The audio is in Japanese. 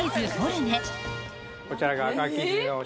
こちらが。